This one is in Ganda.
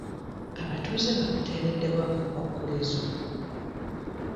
Abatuuze bamuteereddewo akakwakulizo.